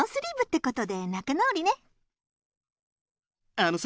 あのさ